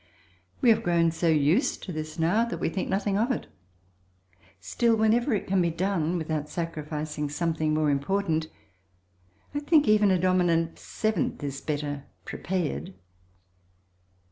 We have grown so used to this now that we think nothing of it, still, whenever it can be done without sacrificing something more important, I think even a dominant seventh is better prepared.